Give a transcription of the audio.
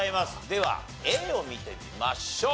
ではＡを見てみましょう。